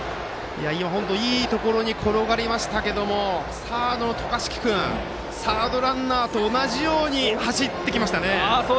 いいところに転がりましたけどサードの渡嘉敷君サードランナーと同じように走ってきましたね。